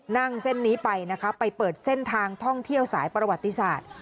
เส้นนี้ไปนะคะไปเปิดเส้นทางท่องเที่ยวสายประวัติศาสตร์